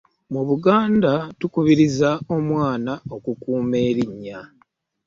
Mu Buganda, tukubiriza omwana okukuuma erinnya.